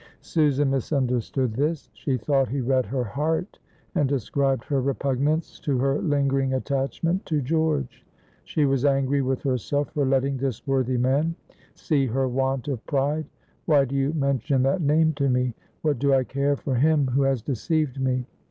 Susan misunderstood this. She thought he read her heart, and ascribed her repugnance to her lingering attachment to George. She was angry with herself for letting this worthy man see her want of pride. "Why do you mention that name to me? What do I care for him who has deceived me?